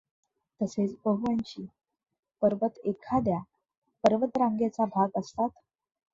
तसेच बव्हंशी पर्वत एखाद्या पर्वतरांगेचा भाग असतात.